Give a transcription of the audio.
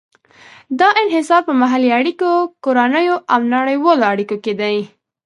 دا انحصار په محلي اړیکو، کورنیو او نړیوالو اړیکو کې دی.